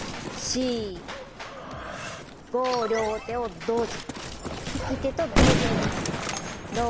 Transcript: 両手を同時引き手と同時に極めます。